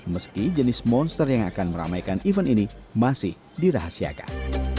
meski jenis monster yang akan meramaikan event ini masih dirahasiakan